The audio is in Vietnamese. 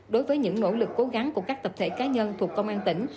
đối với những nỗ lực cố gắng của các tập thể cá nhân thuộc công an tỉnh